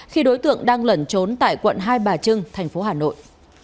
khi đối tượng đang lẩn trốn tại quận hai bà trương tp hà nội